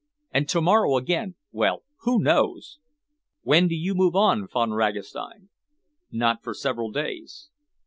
And to morrow again well, who knows? When do you move on, Von Ragastein?" "Not for several days."